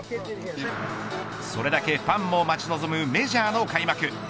それだけファンも待ち望むメジャーの開幕。